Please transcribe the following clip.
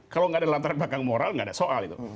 kalau nggak ada latar belakang moral nggak ada soal itu